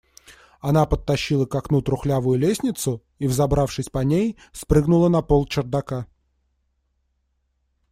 Она подтащила к окну трухлявую лестницу и, взобравшись по ней, спрыгнула на пол чердака.